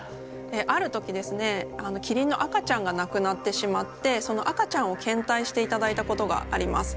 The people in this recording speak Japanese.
ある時ですねキリンの赤ちゃんが亡くなってしまってその赤ちゃんを献体していただいたことがあります。